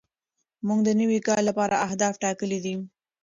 موږ د نوي کال لپاره اهداف ټاکلي دي.